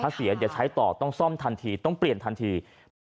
ถ้าเสียอย่าใช้ต่อต้องซ่อมทันทีต้องเปลี่ยนทันที